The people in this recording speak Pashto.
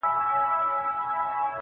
پرون دي بيا راته غمونه راكړل.